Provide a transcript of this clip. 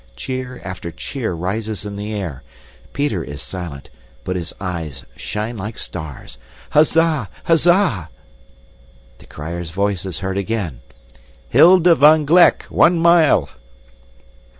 Cheer after cheer rises in the air. Peter is silent, but his eyes shine like stars. "Huzza! Huzza!" The crier's voice is heard again. "Hilda van Gleck, one mile!"